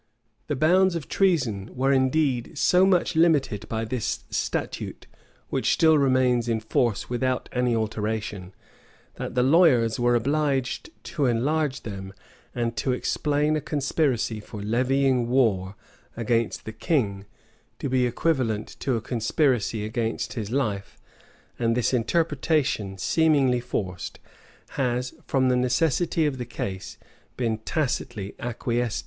The bounds of treason were indeed so much limited by this statute, which still remains in force without any alteration, that the lawyers were obliged to enlarge them, and to explain a conspiracy for levying war against the king, to be equivalent to a conspiracy against his life; and this interpretation, seemingly forced, has, from the necessity of the case, been tacitly acquiesced in.